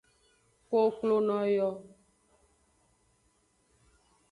Koklono yo.